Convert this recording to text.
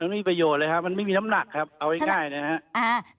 ไม่มีประโยชน์เลยครับมันไม่มีน้ำหนักครับเอาง่ายนะครับ